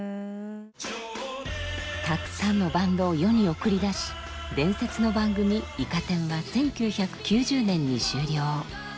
たくさんのバンドを世に送り出し伝説の番組「イカ天」は１９９０年に終了。